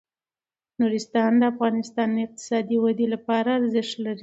نورستان د افغانستان د اقتصادي ودې لپاره ارزښت لري.